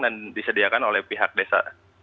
dan disediakan oleh pihak desa